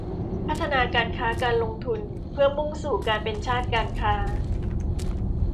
พัฒนาการค้าการลงทุนเพื่อมุ่งสู่การเป็นชาติการค้า